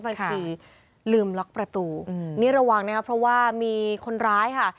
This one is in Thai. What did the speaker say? บางทีลืมล็อกประตูนี่ระวังนะครับเพราะว่ามีคนร้ายค่ะ